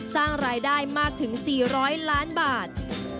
สร้างรายได้มากถึง๔๐๐ล้านบาท